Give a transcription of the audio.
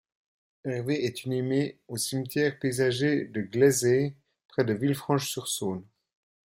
Hervé est inhumé au cimetière paysager de Gleizé près de Villefranche-sur-Saône.